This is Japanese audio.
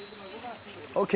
ＯＫ。